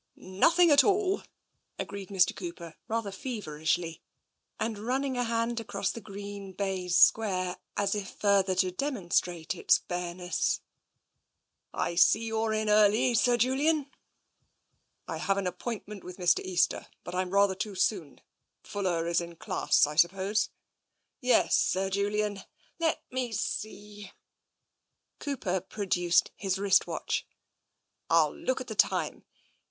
" Nothing at all," agreed Mr. Cooper, rather fever ishly, and running a hand across the green baize square as though further to demonstrate its bareness. '* I see you're in early. Sir Julian." " I have an appointment with Mr. Easter, but I'm rather too soon. Fuller is in class, I suppose? " "Yes, Sir Julian. Let me see," Cooper produced his wrist watch. " Fll look at the time.